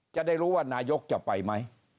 จะได้รู้ว่านายกจะไปไหม